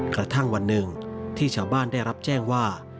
กระทั่งวันหนึ่งที่ชาวบ้านได้รับแจ้งว่า